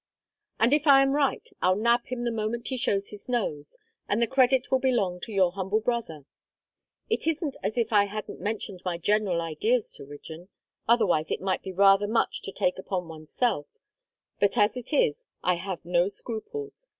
"And if I am right I'll nab him the moment he shows his nose; and the credit will belong to your humble brother. It isn't as if I hadn't mentioned my general ideas to Rigden; otherwise it might be rather much to take upon one's self; but as it is I have no scruples.